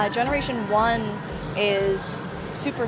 generasi satu sangat mudah